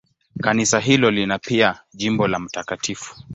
Kanisa hilo lina pia jimbo la Mt.